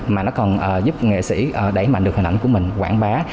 mà nó còn giúp nghệ sĩ đẩy mạnh được hình ảnh của mình quảng bá